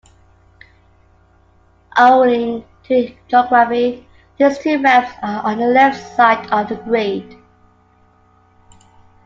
Owing to geography, these two ramps are on the left side of the grade.